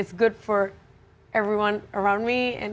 saya pikir itu bagus untuk saya dan